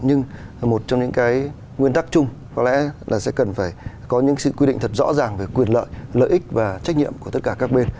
nhưng một trong những cái nguyên tắc chung có lẽ là sẽ cần phải có những sự quy định thật rõ ràng về quyền lợi lợi ích và trách nhiệm của tất cả các bên